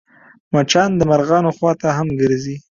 مچان د مرغانو خوا ته هم ګرځي